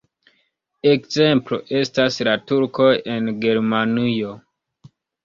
Ekzemplo estas la Turkoj en Germanio.